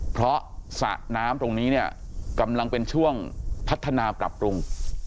เพราะสระน้ำตรงนี้เนี่ยกำลังเป็นช่วงพัฒนาปรับปรุง